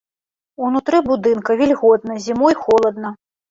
Унутры будынка вільготна, зімой холадна.